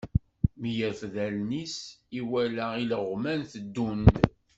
Mi yerfed allen-is, iwala ileɣman teddun-d.